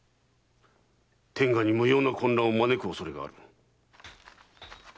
天下に無用な混乱を招く恐れがある。